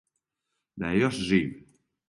Да је још жив.